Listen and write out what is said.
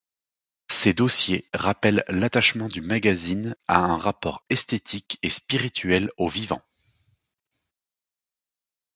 Ces dossiers rappellent l’attachement du magazine à un rapport esthétique et spirituel au vivant.